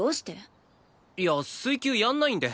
いやあ水球やんないんで。